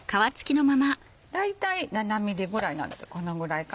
大体７ｍｍぐらいなのでこのぐらいかな。